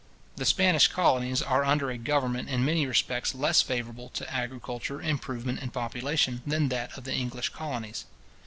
The Spanish colonies are under a government in many respects less favourable to agriculture, improvement, and population, than that of the English colonies.